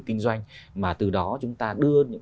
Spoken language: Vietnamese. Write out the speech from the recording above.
kinh doanh mà từ đó chúng ta đưa những